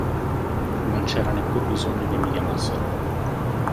Non c'era neppur bisogno che mi chiamassero.